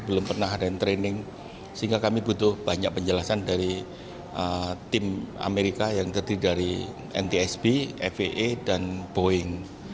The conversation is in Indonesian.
belum pernah ada yang training sehingga kami butuh banyak penjelasan dari tim amerika yang terdiri dari ntsb faa dan boeing